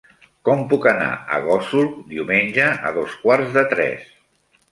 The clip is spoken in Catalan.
Com puc anar a Gósol diumenge a dos quarts de tres?